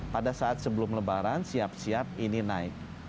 pada saat sebelum lebaran siap siap ini naik